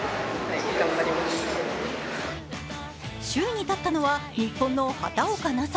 首位に立ったのは日本の畑岡奈紗。